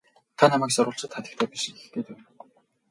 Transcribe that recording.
Та намайг сурвалжит хатагтай биш гэх гээд байна уу?